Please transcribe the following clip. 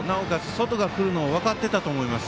外が来るのを分かっていたと思います。